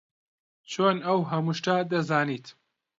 چۆن ئەو هەموو شتە دەزانیت؟